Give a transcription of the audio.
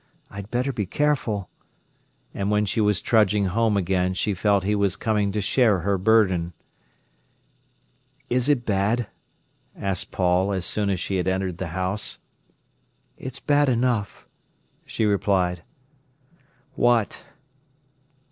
I'd better be careful." And when she was trudging home again, she felt he was coming to share her burden. "Is it bad?" asked Paul, as soon as she entered the house. "It's bad enough," she replied. "What?"